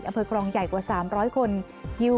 อำเภอคลองใหญ่กว่าสามร้อยคนฮิว